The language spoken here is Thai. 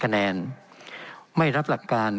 เป็นของสมาชิกสภาพภูมิแทนรัฐรนดร